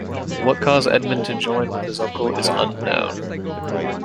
What caused Edmund to join with his uncle is unknown.